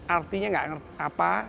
artinya gak ngerti apa